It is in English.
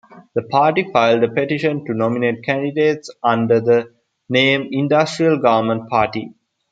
The party filed a petition to nominate candidates under the name Industrial Government Party.